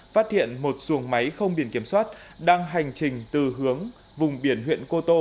phát hiện một xuồng máy không biển kiểm soát đang hành trình từ hướng vùng biển huyện cô tô